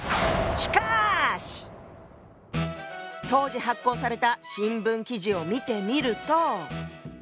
当時発行された新聞記事を見てみると。